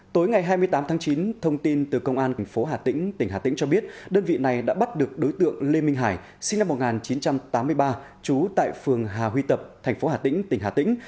tối ngày hai mươi tám tháng chín thông tin từ công an tp hà tĩnh tỉnh hà tĩnh cho biết đơn vị này đã bắt được đối tượng lê minh hải sinh năm một nghìn chín trăm tám mươi ba trú tại phường hà huy tập thành phố hà tĩnh tỉnh hà tĩnh